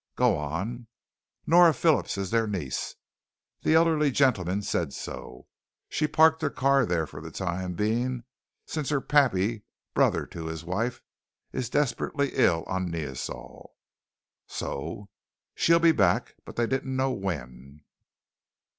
"Go on." "Nora Phillips is their niece. The elderly gentleman said so. She parked her car there for the time being since her pappy, brother to his wife, is desperately ill on Neosol." "So?" "She'll be back, but they did not know when."